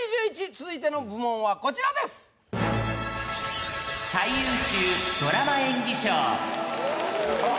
続いての部門はこちらですあっ